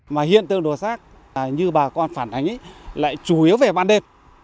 mà hiện tượng đồ sát như bà con phản hành lại chủ yếu về bản đề